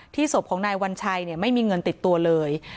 ศพของนายวัญชัยไม่มีเงินติดตัวเลย